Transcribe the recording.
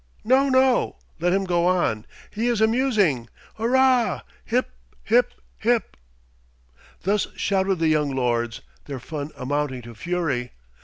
"No, no. Let him go on. He is amusing. Hurrah! hip! hip! hip!" Thus shouted the young lords, their fun amounting to fury.